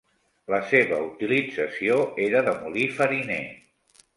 La seva utilització era de molí fariner.